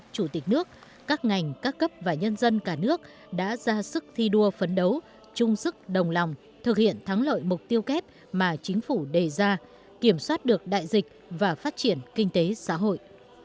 chủ tịch nước các ngành các cấp và nhân dân cả nước đã ra sức thi đua phấn đấu chung sức đồng lòng thực hiện thắng lợi mục tiêu kép mà chính phủ đề ra kiểm soát được đại dịch và phát triển kinh tế xã hội